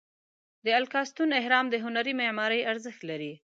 د الکاستون اهرام د هنري معمارۍ ارزښت لري.